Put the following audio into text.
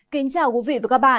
kính chào quý vị và các bạn